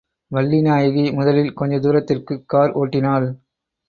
வள்ளி நாயகி முதலில் கொஞ்ச தூரத்திற்குக் கார் ஓட்டினாள்.